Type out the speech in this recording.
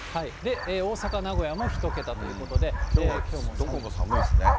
大阪、名古屋も１桁というこどこも寒いですね。